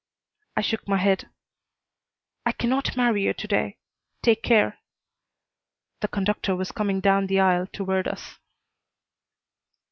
I shook my head. "I cannot marry you today. Take care " The conductor was coming down the aisle toward us.